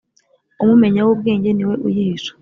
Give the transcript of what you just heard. umumenya w'ubwenge ni we uyihisha